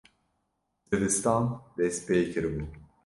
zivistan dest pê kiribû